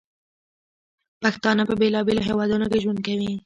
پښتانه په بیلابیلو هیوادونو کې ژوند کوي.